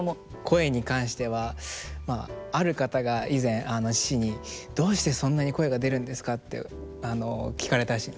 声に関してはある方が以前父に「どうしてそんなに声が出るんですか？」って聞かれたらしいんです。